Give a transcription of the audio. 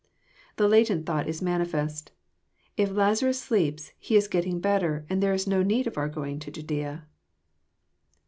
The latent thought is manifest :" If Lazarus sleeps, he is get* ting better, and there is no need of our going to Judsea."